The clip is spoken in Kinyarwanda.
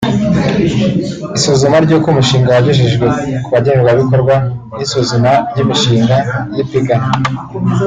isuzuma ry’uko umushinga wagejejwe ku bagenerwabikorwa n’isuzuma ry’imishinga y’ipiganwa